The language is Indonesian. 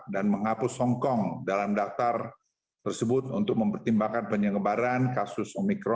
dan menghapus hongkong dalam daftar tersebut untuk mempertimbangkan penyelenggaraan kasus